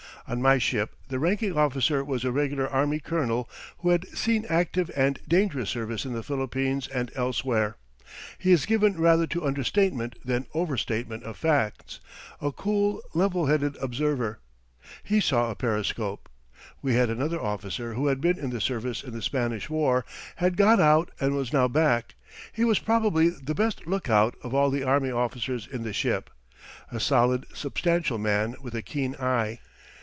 On my ship the ranking officer was a regular army colonel who had seen active and dangerous service in the Philippines and elsewhere. He is given rather to understatement than overstatement of facts a cool, level headed observer. He saw a periscope. We had another officer who had been in the service in the Spanish War, had got out and was now back. He was probably the best lookout of all the army officers in the ship a solid, substantial man with a keen eye.